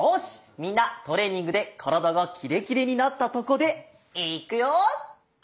みんなトレーニングで体がキレキレになったとこでいくよ！